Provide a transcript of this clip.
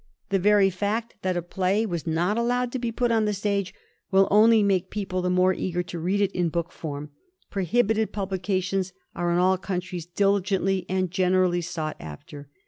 The very fact that a play was not allowed to be put on the stage will only make people the more eager to read it in book form; prohibited publications are in all countries diligently and generally sought after.